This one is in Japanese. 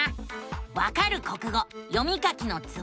「わかる国語読み書きのツボ」。